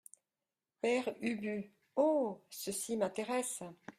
Père Ubu Oh ! ceci m’intéresse.